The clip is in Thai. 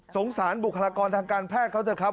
สารบุคลากรทางการแพทย์เขาเถอะครับ